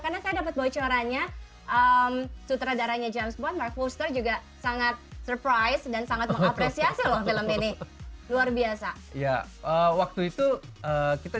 karena saya dapat bocorannya sutradaranya james bond mark foster juga sangat surprise dan sangat mengapresiasi loh film ini